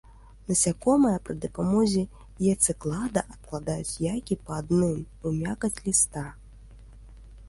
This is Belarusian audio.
Насякомыя пры дапамозе яйцаклада адкладаюць яйкі па адным у мякаць ліста.